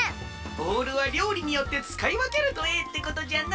ボウルはりょうりによってつかいわけるとええってことじゃの！